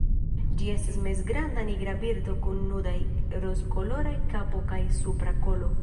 Ĝi estas mezgranda nigra birdo kun nudaj rozkoloraj kapo kaj supra kolo.